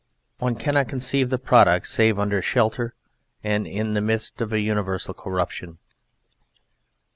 One cannot conceive the product save under shelter and in the midst of an universal corruption.